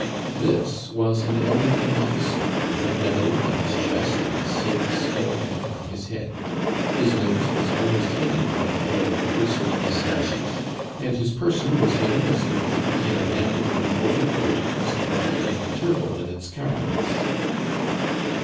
This was an elderly officer with a medal on his chest and a silk skull cap on his head; his nose was almost hidden by a pair of grizzled moustaches, and his person was hidden as completely in an ample blue overcoat as the body of the turtle in its carapace.